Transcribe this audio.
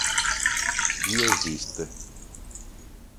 Dio esiste.